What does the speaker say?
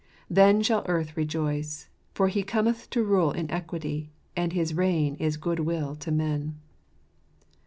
Then shall earth rejoice; for He cometh to rule in equity, and his reign is goodwill to men